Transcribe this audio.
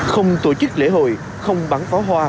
không tổ chức lễ hội không bán pháo hoa